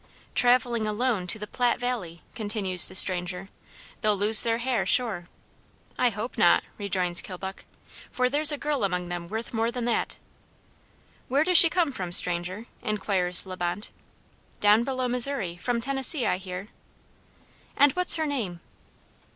"Traveling alone to the Platte valley," continues the stranger, "they'll lose their hair, sure." "I hope not," rejoins Kilbuck, "for there's a girl among them worth more than that." "Where does she come from, stranger," inquires La Bonte. "Down below Missouri, from Tennessee, I hear." "And what's her name?"